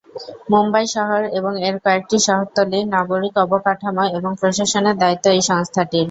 মুম্বাই শহর এবং এর কয়েকটি শহরতলির নাগরিক অবকাঠামো এবং প্রশাসনের দায়িত্ব এই সংস্থাটির।